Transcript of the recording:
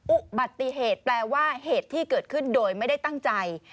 อุบัติเหตุแปลว่าเหตุที่เกิดขึ้นโดยไม่ได้ตั้งใจ